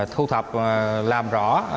thu thập làm rõ